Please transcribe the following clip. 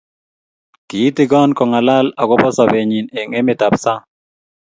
kiitigon kongalal akobo sobenyi eng emet ab sang